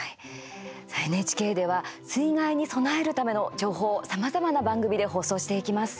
ＮＨＫでは水害に備えるための情報をさまざまな番組で放送していきます。